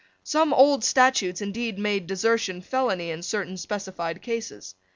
Some old statutes indeed made desertion felony in certain specified cases.